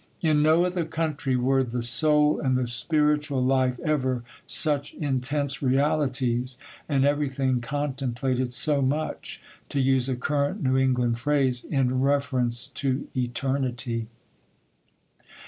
In no other country were the soul and the spiritual life ever such intense realities, and everything contemplated so much (to use a current New England phrase) 'in reference to eternity.